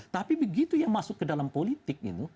tapi begitu ya masuk ke dalam politik gitu